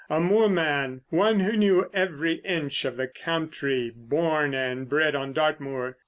A moorman, one who knew every inch of the country, born and bred on Dartmoor.